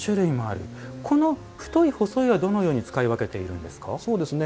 この太い、細いはどのように使い分けているんですか？